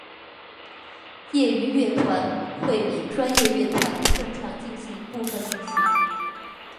业余乐团会比专业乐团更常进行分部练习。